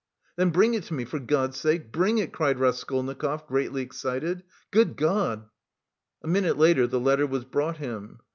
"Then bring it to me, for God's sake, bring it," cried Raskolnikov greatly excited "good God!" A minute later the letter was brought him.